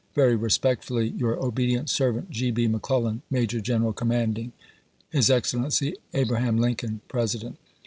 Very respectfully, your obedient servant, G. B. McClellan, Major General Commanding. His Excellency Abraham Lincoln, President.